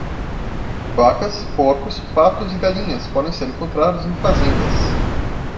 Vacas, porcos, patos e galinhas podem ser encontrados em fazendas